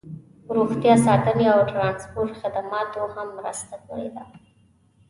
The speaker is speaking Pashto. روغتیا ساتنې او ټرانسپورټ خدماتو هم مرسته کړې ده